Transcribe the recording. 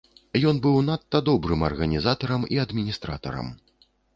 Быў ён надта добрым арганізатарам і адміністратарам.